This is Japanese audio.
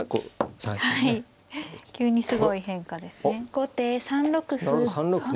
後手３六歩。